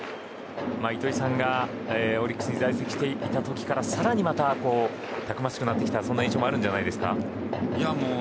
糸井さんがオリックスに在籍していた時から更にまた、たくましくなってきた印象もあるんじゃないですか。